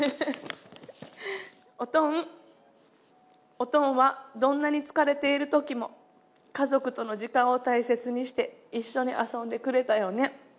おとんはどんなに疲れている時も家族との時間を大切にして一緒に遊んでくれたよね。